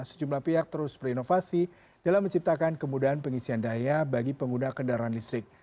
sejumlah pihak terus berinovasi dalam menciptakan kemudahan pengisian daya bagi pengguna kendaraan listrik